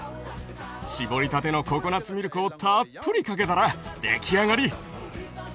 しぼりたてのココナツミルクをたっぷりかけたら出来上がり。